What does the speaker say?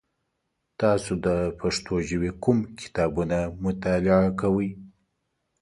تاسو د پښتو ژبې کوم کتابونه مطالعه کوی؟